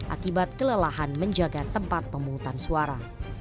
akibat kelelahan menjaga tempat pemungutan suara